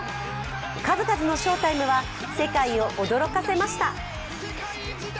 数々のショータイムは世界を驚かせました。